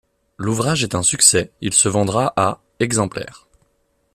L'ouvrage est un succès, il se vendra à exemplaires.